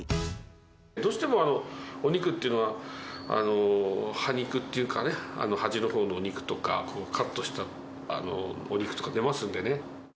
どうしてもお肉っていうのは、端肉っていうかね、端のほうの肉とか、カットしたお肉とか出ますんでね。